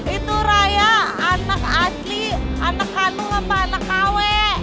itu raya anak asli anak kandung apa anak kw